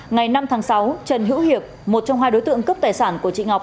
ngày năm tháng sáu trần hữu hiệp một trong hai đối tượng cướp tài sản của chị ngọc